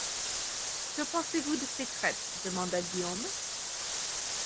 Que pensez-vous de ces traites ? demanda Guillaume.